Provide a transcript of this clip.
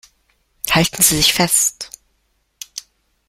Halten Sie sich fest!